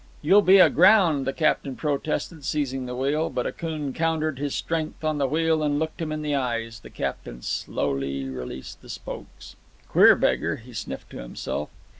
"You'll be aground," the captain protested, seizing the wheel. But Akoon countered his strength on the wheel and looked him in the eyes. The captain slowly released the spokes. "Queer beggar," he sniffed to himself.